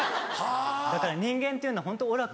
だから人間っていうのはホント愚かな。